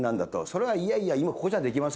「それはいやいや今ここじゃできませんよ」。